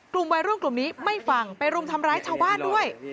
กลุ่มวัยรุ่นกลุ่มนี้ไม่ฟังไปรุมทำร้ายชาวบ้านด้วย